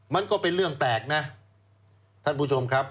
มันก็เป็นเรื่องแปลกนะท่านผู้ชมครับ